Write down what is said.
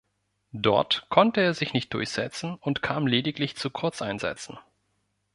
Dort konnte er sich nicht durchsetzen und kam lediglich zu Kurzeinsätzen.